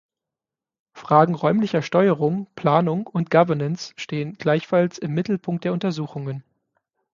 Fragen räumlicher Steuerung, Planung und Governance stehen gleichfalls im Mittelpunkt der Untersuchungen.